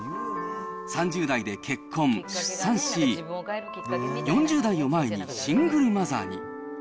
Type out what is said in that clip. ３０代で結婚、出産し、４０代を前にシングルマザーに。